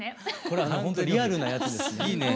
これほんとリアルなやつですね。